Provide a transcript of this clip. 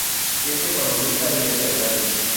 Es economista y empresario.